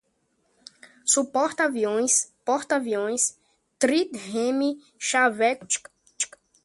Superporta-aviões, porta-aviões, trirreme, xaveco, náutica